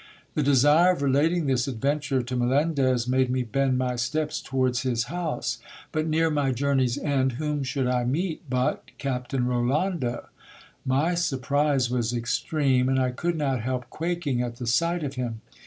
The desire of relating this adventure to Melendez made me bend my steps towards his house; but, near my journey's end, whom should I meet but Captain Rolando ! My s lrprise was extreme, and I could not help quaking at the sight of him.